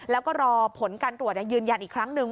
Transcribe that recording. แล้วก็รอผลการตรวจยืนยันอีกครั้งหนึ่ง